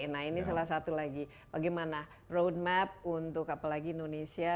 nah ini salah satu lagi bagaimana roadmap untuk apalagi indonesia